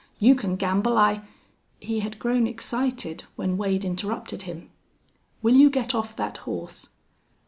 You can gamble I " He had grown excited when Wade interrupted him. "Will you get off that horse?"